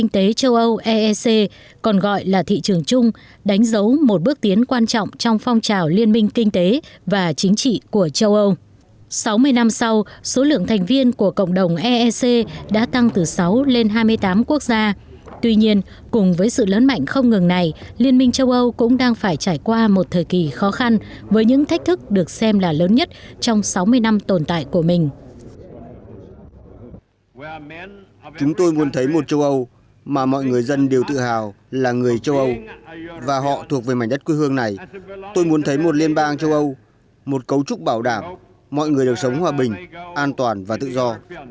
tôi muốn thấy một liên bang châu âu một cấu trúc bảo đảm mọi người đều sống hòa bình an toàn và tự do